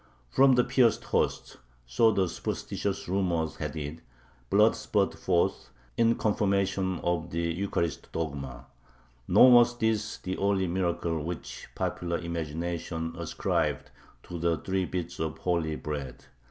From the pierced hosts, so the superstitious rumor had it, blood spurted forth, in confirmation of the Eucharist dogma. Nor was this the only miracle which popular imagination ascribed to the three bits of holy bread.